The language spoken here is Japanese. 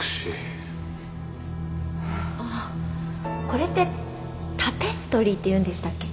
これってタペストリーっていうんでしたっけ？